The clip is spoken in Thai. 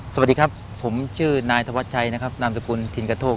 สวัสดีครับผมชื่อนายธวัชชัยนะครับนามสกุลทินกระโทก